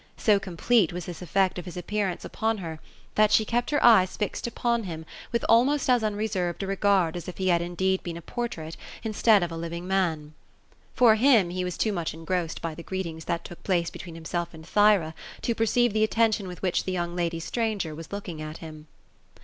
So complete was this effect of his appearance upon her, that she* kept her eyes fixed upon him with almost as unreserved a regard as if be had indeed been a portrait, instead of a living man. For him, he was too much engrossed by the greetings that took place between himself and Thyra, to perceive the attention with which the young lady stranger was looking at him.